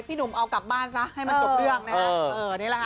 หนุ่มเอากลับบ้านซะให้มันจบเรื่องนะฮะ